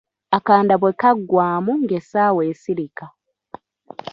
Akanda bwe kaggwamu ng'essaawa esirika.